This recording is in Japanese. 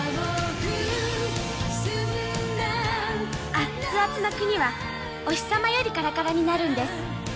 アッツアツの国はお日様よりカラカラになるんです